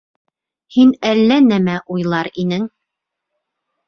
Һин әллә нәмә уйлар инең.